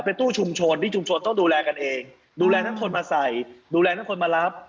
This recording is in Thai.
เป็นตู้ชุมชนที่ชุมชนต้องดูแลกันเองดูแลทั้งคนมาใส่ดูแลทั้งคนมารับ